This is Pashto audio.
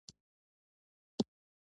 هلته روڼ سهار دی او دلته تور ماښام